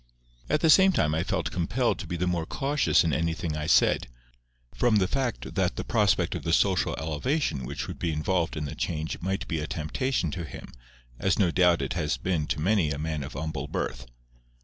At the same time I felt compelled to be the more cautious in anything I said, from the fact that the prospect of the social elevation which would be involved in the change might be a temptation to him, as no doubt it has been to many a man of humble birth.